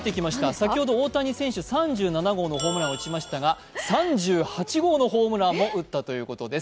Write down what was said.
先ほど、大谷選手、３７号のホームランを打ちましたが３８号のホームランも打ったということです。